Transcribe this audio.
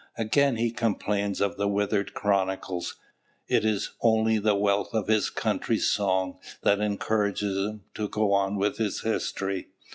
Again he complains of the "withered chronicles"; it is only the wealth of his country's song that encourages him to go on with its history.